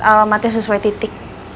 alamatnya sesuai titik